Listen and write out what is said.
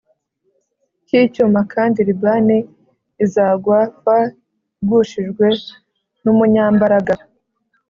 cy icyuma kandi Libani izagwa f igushijwe n umunyambaraga